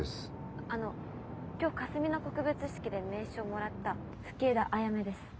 あの今日かすみの告別式で名刺をもらった吹枝あやめです。